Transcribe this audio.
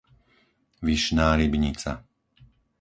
Vyšná Rybnica